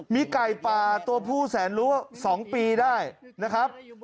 มีไก่ป่าตัวผู้แสนรู้๒ปีได้นะครับ